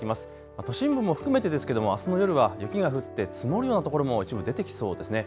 都心部も含めてですけれどもあすの夜は雪が降って積もるようなところも一部出てきそうですね。